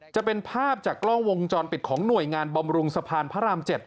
จะเป็นภาพจากกล้องวงจรปิดของหน่วยงานบำรุงสะพานพระราม๗